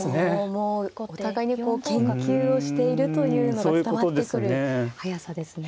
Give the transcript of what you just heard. もうお互いにこう研究をしているというのが伝わってくる速さですね。